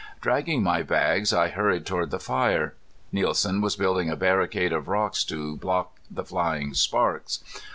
Dragging my bags I hurried toward the fire. Nielsen was building a barricade of rocks to block the flying sparks.